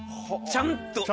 ちゃんと。